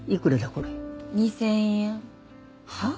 これ２０００円はあ？